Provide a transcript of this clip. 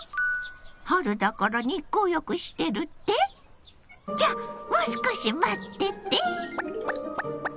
春だから日光浴してるって⁉じゃあもう少し待ってて！